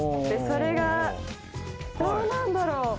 それがどうなんだろう？